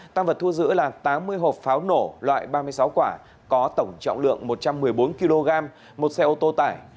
tăng vật thu giữ là tám mươi hộp pháo nổ loại ba mươi sáu quả có tổng trọng lượng một trăm một mươi bốn kg một xe ô tô tải